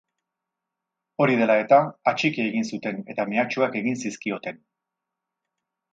Hori dela eta, atxiki egin zuten, eta mehatxuak egin zizkioten.